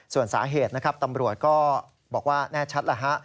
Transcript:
ส่วนสาเหตุนะครับตำรวจก็บอกว่าแน่ชัดแล้วฮะ